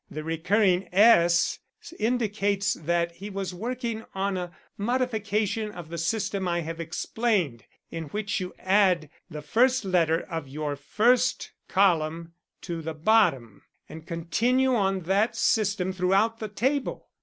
The recurring S indicates that he was working on a modification of the system I have explained, in which you add the first letter of your first column to the bottom, and continue on that system throughout the table.